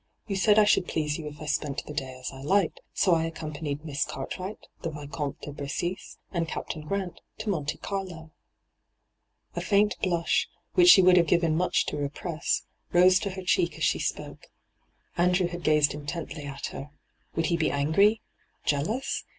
' You said I should please you if I spent the day as I liked, so I accompanied Miss Cartwright, the Vicomte de Bressis, and Captain Grant, to Monte Carlo.* A faint blush, which she would have given much to repress, rose to her cheek as she spoke. Andrew had gazed intently at her. Would he be angry — jealous